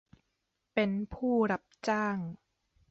เป็นผู้รับจ้าง